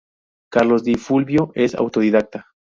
Carlos Di Fulvio es autodidacta.